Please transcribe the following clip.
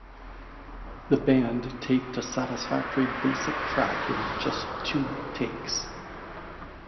The band taped a satisfactory basic track in just two takes.